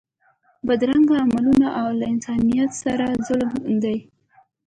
بدرنګه عملونه له انسانیت سره ظلم دی